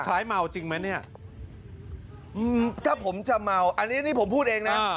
เมาจริงไหมเนี่ยถ้าผมจะเมาอันนี้นี่ผมพูดเองนะ